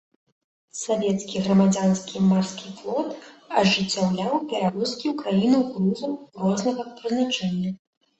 Савецкі грамадзянскі марскі флот ажыццяўляў перавозкі ў краіну грузаў рознага прызначэння.